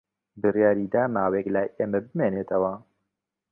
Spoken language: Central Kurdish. بڕیاری دا ماوەیەک لای ئێمە بمێنێتەوە.